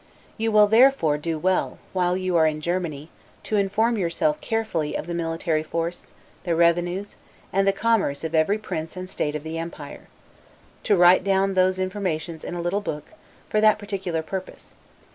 You will, therefore, do well, while you are in Germany, to inform yourself carefully of the military force, the revenues, and the commerce of every prince and state of the empire; and to write down those informations in a little book, for that particular purpose.